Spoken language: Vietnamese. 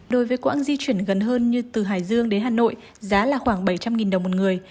đối với quãng di chuyển gần hơn như từ hải dương đến hà nội giá là khoảng bảy trăm linh đồng một người